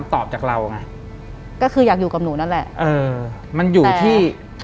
หลังจากนั้นเราไม่ได้คุยกันนะคะเดินเข้าบ้านอืม